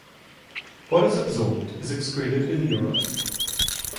What is absorbed is excreted in urine.